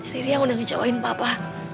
riri yang udah ngejawain papa